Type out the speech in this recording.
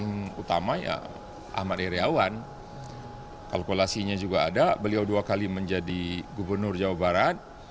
yang utama ya ahmad iryawan kalkulasinya juga ada beliau dua kali menjadi gubernur jawa barat